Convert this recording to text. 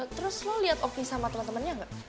terus lo lihat oki sama temen temennya nggak